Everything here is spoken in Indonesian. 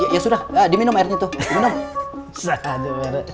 ya sudah diminum airnya tuh minum